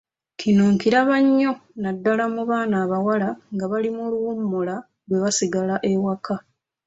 Kino nkiraba nnyo naddala mu baana abawala nga bali mu luwummula bwe basigla ewaka.